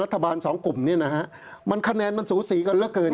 สองกลุ่มเนี่ยนะฮะมันคะแนนมันสูสีกันเหลือเกิน